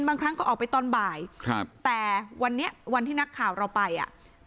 บางครั้งก็ออกไปตอนบ่ายครับแต่วันนี้วันที่นักข่าวเราไปอ่ะ